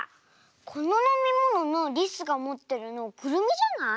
こののみもののりすがもってるのくるみじゃない？